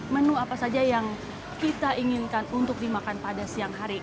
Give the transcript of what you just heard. menu apa saja yang kita inginkan untuk dimakan pada siang hari